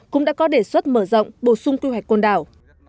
cũng đã có đề xuất mở rộng bổ sung quy hoạch con đảo